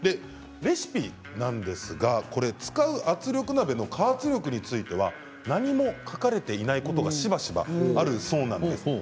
レシピなんですが使う圧力鍋の加圧力については何も書かれていないことがしばしばあるそうなんです。